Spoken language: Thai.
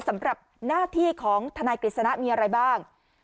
สำหรับหน้าที่ของทนายกฤษณะมีอะไรบ้าง